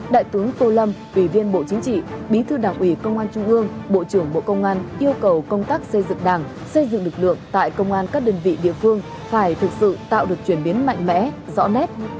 đại tướng tô lâm ủy viên bộ chính trị bí thư đảng ủy công an trung ương bộ trưởng bộ công an yêu cầu công tác xây dựng đảng xây dựng lực lượng tại công an các đơn vị địa phương phải thực sự tạo được chuyển biến mạnh mẽ rõ nét